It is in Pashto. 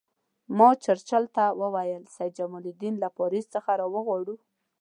ما چرچل ته وویل سید جمال الدین له پاریس څخه را وغواړو.